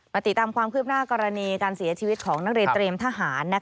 ติดตามความคืบหน้ากรณีการเสียชีวิตของนักเรียนเตรียมทหาร